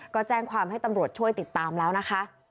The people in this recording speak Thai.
ก็แจ้งความให้ตำรวจช่วยติดตามแล้วนะคะ